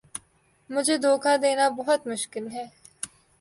مجھے دھوکا دینا بہت مشکل ہے